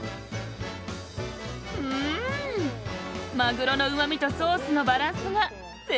うんマグロのうまみとソースのバランスが絶妙！